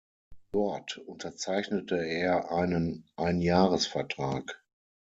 Dort unterzeichnete er einen Einjahresvertrag.